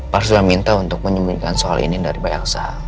pak sudah minta untuk menyembunyikan soal ini dari pak elsa